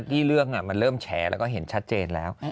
ที่เรื่องมันเริ่มแฉแล้วก็เห็นชัดเจนแล้ว